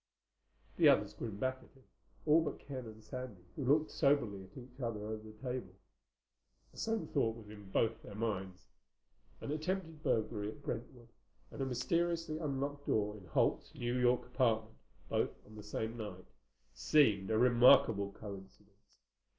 The others grinned back at him, all but Ken and Sandy who looked soberly at each other over the table. The same thought was in both their minds. An attempted burglary in Brentwood and a mysteriously unlocked door in Holt's New York apartment, both on the same night, seemed a remarkable coincidence.